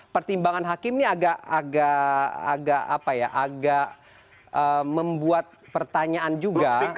pertimbangan hakim ini agak membuat pertanyaan juga